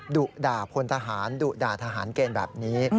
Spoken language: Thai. ดุด่าพลทหารดุด่าทหารเกณฑ์แบบนี้